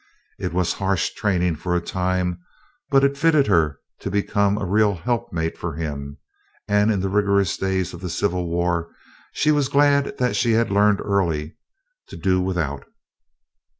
It was harsh training for a time, but it fitted her to become a real helpmeet for him; and in the rigorous days of the Civil War she was glad that she had learned early to "do without."